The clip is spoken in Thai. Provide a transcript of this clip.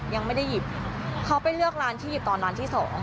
ยังไม่ได้หยิบเขาไปเลือกร้านที่หยิบตอนร้านที่๒